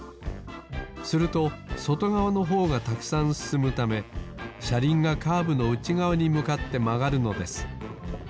するとそとがわのほうがたくさんすすむためしゃりんがカーブのうちがわにむかってまがるのです